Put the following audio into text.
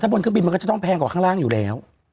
บนเครื่องบินมันก็จะต้องแพงกว่าข้างล่างอยู่แล้ว